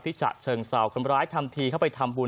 ฉะเชิงเศร้าคนร้ายทำทีเข้าไปทำบุญ